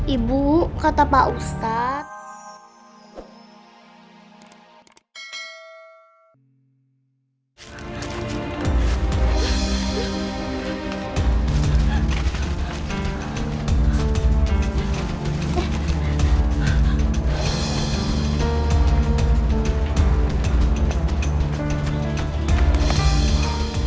ibu kata pak ustadz